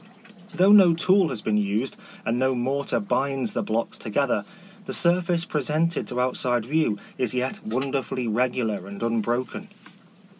Though no tool has been used, and no mortar binds the blocks to gether, the surface presented to out side view is yet wonderfully regu lar and unbroken.